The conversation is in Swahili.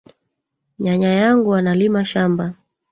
Nyanya yangu analima shamba